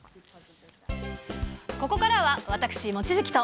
ここからは私、望月と。